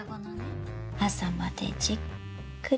朝までじっくり。